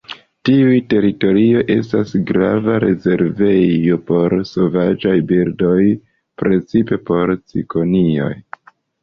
Tiu teritorio estas grava rezervejo por sovaĝaj birdoj, precipe por cikonioj.